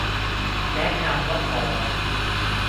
แนะนำว่าทอง